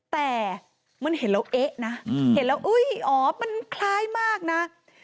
แต่มันเห็นแล้วเอ๊ะนะเห็นแล้วอ๋อมันคล้ายมากนะ